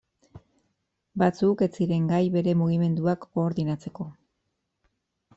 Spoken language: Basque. Batzuk ez ziren gai bere mugimenduak koordinatzeko.